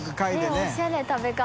おしゃれ食べ方。